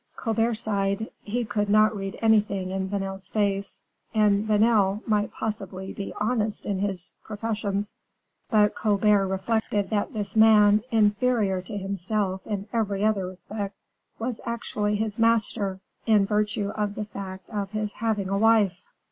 Colbert sighed; he could not read anything in Vanel's face, and Vanel might possibly be honest in his professions, but Colbert recollected that this man, inferior to himself in every other respect, was actually his master in virtue of the fact of his having a wife.